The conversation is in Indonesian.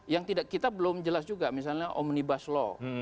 yang kita belum jelas juga misalnya omnibus law